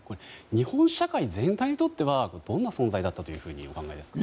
日本社会全体にとってはどんな存在だったとお考えですか？